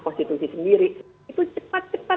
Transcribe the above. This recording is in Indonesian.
konstitusi sendiri itu cepat cepat